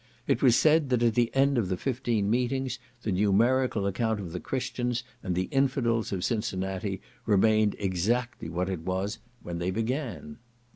It was said, that at the end of the fifteen meetings the numerical amount of the Christians and the Infidels of Cincinnati remained exactly what it was when they began.